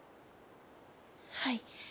はい。